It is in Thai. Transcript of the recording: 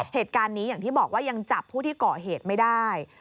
เหตุการณ์นี้อย่างที่บอกว่ายังจับผู้ที่เกาะเหตุไม่ได้